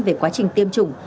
về quá trình tiêm chủng